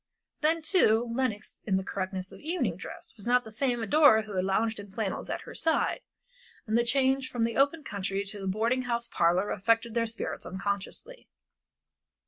Then, too, Lenox in the correctness of evening dress was not the same adorer who had lounged in flannels at her side, and the change from the open country to the boarding house parlor affected their spirits unconsciously.